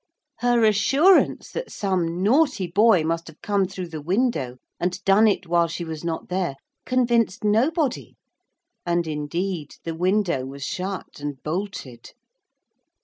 Her assurance that some naughty boy must have come through the window and done it while she was not there convinced nobody, and, indeed, the window was shut and bolted.